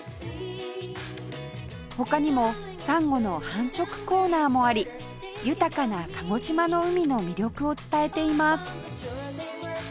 他にもサンゴの繁殖コーナーもあり豊かな鹿児島の海の魅力を伝えています